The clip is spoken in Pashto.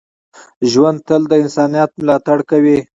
ژوندي تل د انسانیت ملاتړ کوي